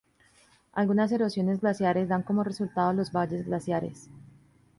Algunas erosiones glaciares dan como resultado los valles glaciares.